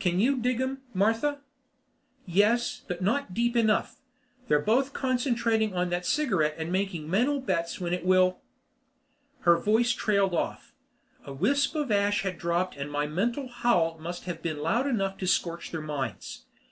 "Can you dig 'em Martha?" "Yes, but not deep enough. They're both concentrating on that cigarette and making mental bets when it will " Her voice trailed off. A wisp of ash had dropped and my mental howl must have been loud enough to scorch their minds.